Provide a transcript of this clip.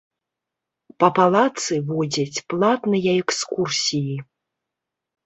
Па палацы водзяць платныя экскурсіі.